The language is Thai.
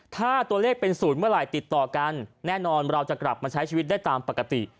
ถ้าตัวเลขเป็น๐เมื่อไหร่ติดต่อกันแน่นอนเราจะกลับมาใช้ชีวิตได้ตามปกติ